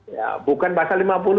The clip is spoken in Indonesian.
ya bukan bahasa lima puluh enam